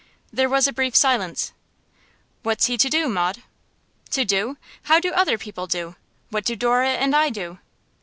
There was a brief silence. 'What's he to do, Maud?' 'To do? How do other people do? What do Dora and I do?